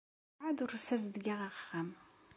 Werɛad ur d-ssazedgeɣ ara axxam.